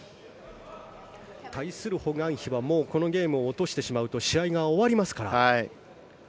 対するホ・グァンヒはもうこのゲームを落としてしまうと試合が終わりますから。